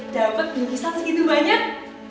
dapat penulisan segitu banyak